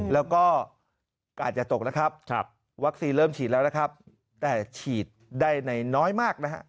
แล้วก็อาจจะตกนะครับวัคซีนเริ่มฉีดแล้วนะครับแต่ฉีดได้ในน้อยมากนะฮะ